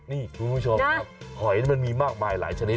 นี่คุณผู้ชมครับหอยมันมีมากมายหลายชนิด